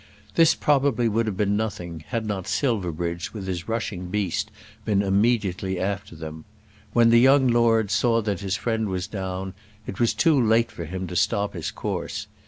This probably would have been nothing, had not Silverbridge with his rushing beast been immediately after them. When the young lord saw that his friend was down it was too late for him to stop his course.